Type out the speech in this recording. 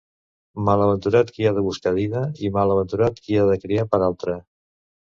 Malaventurat qui ha de buscar dida i malaventurat qui ha de criar per altre.